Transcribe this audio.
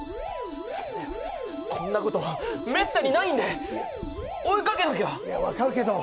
こんなことめったにないんで、追いかけなきゃ。